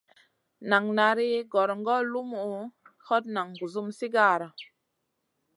Nan nari gongor lumuʼu, hot nan gusum sigara.